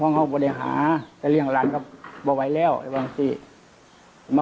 เขาบันดาหาแล้วเลี้ยงหลานเขาบ่อไว้แล้วยังไงสิอย่ามา